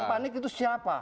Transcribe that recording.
panik itu siapa